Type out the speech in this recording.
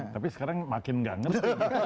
tapi sekarang makin gak ngeri